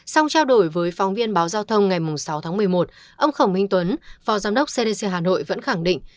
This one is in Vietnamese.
sau trao đổi với phóng viên báo giao thông ngày sáu tháng một mươi một ông khổng minh tuấn phó giám đốc cdc hà nội vẫn khẳng định